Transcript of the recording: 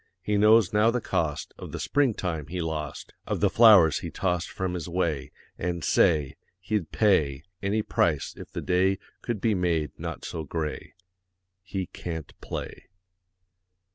He knows now the cost Of the spring time he lost, Of the flowers he tossed From his way, And, say, He'd pay Any price if the day Could be made not so gray. _He can't play.